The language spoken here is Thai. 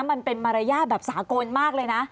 มันเป็นมารยาทแบบสากลมากเลยนะ